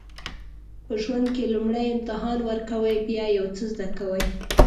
په ژوند کې لومړی امتحان ورکوئ بیا یو څه زده کوئ.